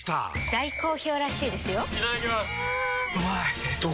大好評らしいですよんうまい！